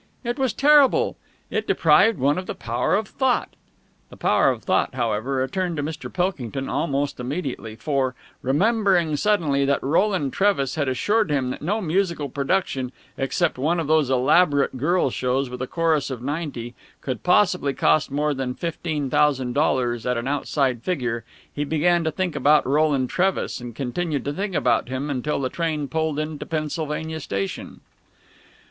It was terrible! It deprived one of the power of thought. The power of thought, however, returned to Mr. Pilkington almost immediately, for, remembering suddenly that Roland Trevis had assured him that no musical production, except one of those elaborate girl shows with a chorus of ninety, could possibly cost more than fifteen thousand dollars at an outside figure, he began to think about Roland Trevis, and continued to think about him until the train pulled into the Pennsylvania Station.